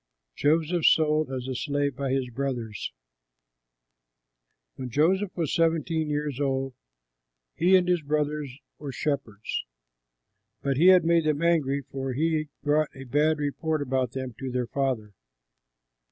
JOSEPH SOLD AS A SLAVE BY HIS BROTHERS When Joseph was seventeen years old, he and his brothers were shepherds, but he made them angry, for he brought a bad report about them to their father.